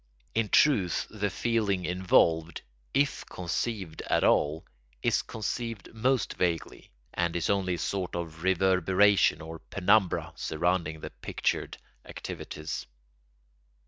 In truth the feeling involved, if conceived at all, is conceived most vaguely, and is only a sort of reverberation or penumbra surrounding the pictured activities.